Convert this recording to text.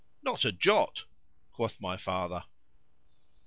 —Not a jot, quoth my father.